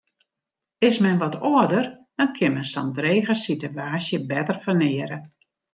Is men wat âlder, dan kin men sa'n drege sitewaasje better ferneare.